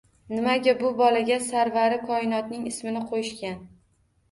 Nimaga bu bolaga sarvari koinotning ismini qoʻyishgan.